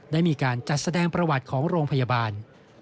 ได้มีการจัดแสดงประวัติของโรงพยาบาล